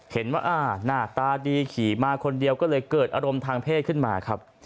เห็นว่าหน้าตาดีขี่มาคนเดียวก็เลยเกิดอารมณ์ทางเพศขึ้นมาครับ